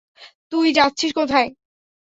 তুই যাচ্ছিস কোথায়?